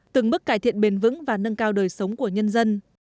từng bước cải thiện bền vững và nâng cao đời sống của nhân dân